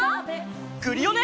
クリオネ！